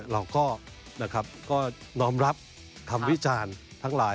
เราก็น้อมรับคำวิจารณ์ทั้งหลาย